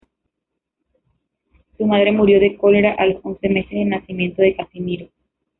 Su madre murió de cólera a los once meses del nacimiento de Casimiro.